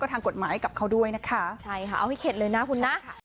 ของพี่มีเท่านั้นก็เกี่ยวไว้ทางความคุณนะครับ